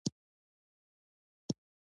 دښتې د افغانستان په اوږده تاریخ کې ذکر شوی دی.